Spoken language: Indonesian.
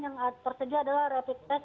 yang tersedia adalah rapid test